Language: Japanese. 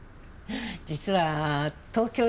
実は東京よ